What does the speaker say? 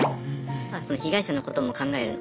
その被害者のことも考える